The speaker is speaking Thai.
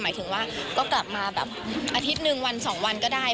หมายถึงว่าก็กลับมาแบบอาทิตย์หนึ่งวันสองวันก็ได้